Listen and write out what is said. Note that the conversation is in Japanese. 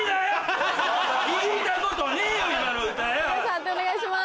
判定お願いします。